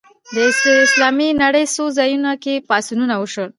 د اسلامي نړۍ څو ځایونو کې پاڅونونه وشول